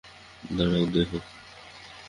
দাঁড়াও, দেখো!